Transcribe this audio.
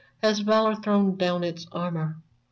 Has Valor thrown down its armor